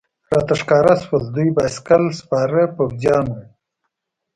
راته ښکاره شول، دوی بایسکل سپاره پوځیان و.